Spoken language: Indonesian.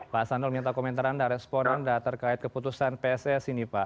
pak sandul minta komentar anda respon anda terkait keputusan pss ini pak